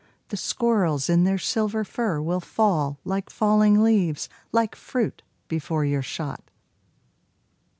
The squirrels in their silver fur will fall Like falling leaves, like fruit, before your shot.